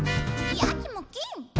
「やきもきっ！」